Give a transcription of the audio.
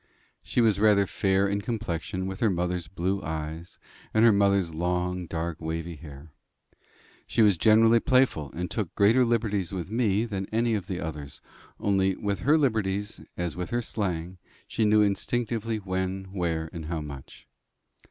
She was rather fair in complexion, with her mother's blue eyes, and her mother's long dark wavy hair. She was generally playful, and took greater liberties with me than any of the others; only with her liberties, as with her slang, she knew instinctively when, where, and how much.